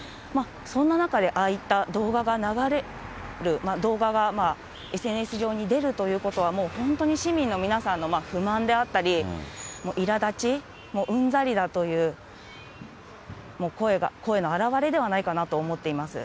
そんな中でああいった動画が流れる、動画がＳＮＳ上に出るということは、もう本当に市民の皆さんの不満であったり、いらだち、うんざりだという声の表れではないかなと思っています。